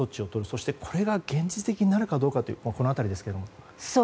そして、これが現実的になるかどうかという辺りですが。